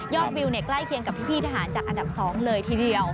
วิวใกล้เคียงกับพี่ทหารจากอันดับ๒เลยทีเดียว